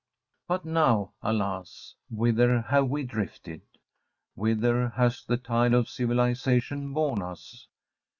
But now, alas! whither have we drifted? whither has the tide of civilization borne us?